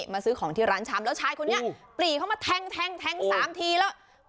มาซื้อของที่ร้านชำแล้วชายคนนี้ปรีเข้ามาแทงแทง๓ทีแล้ว